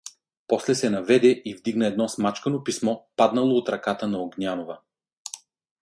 После се наведе и вдигна едно смачкано писмо, паднало от ръката на Огнянова.